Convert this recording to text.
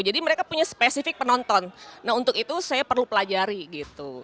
jadi mereka punya spesifik penonton nah untuk itu saya perlu pelajari gitu